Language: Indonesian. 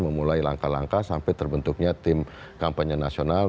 memulai langkah langkah sampai terbentuknya tim kampanye nasional